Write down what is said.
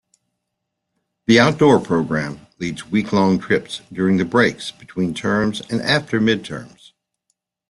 The Outdoor Program leads week-long trips during the breaks between terms and after midterms.